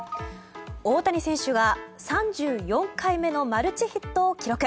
大谷選手が３４回目のマルチヒットを記録。